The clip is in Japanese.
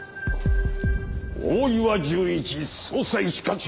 大岩純一捜査一課長。